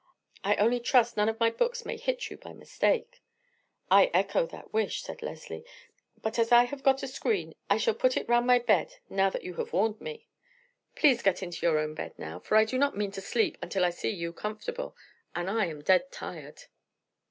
I only trust none of my books may hit you by mistake." "I echo that wish," said Leslie; "but, as I have got a screen, I shall put it round my bed now that you have warned me. Please get into your own bed now, for I do not mean to sleep until I see you comfortable, and I am dead tired."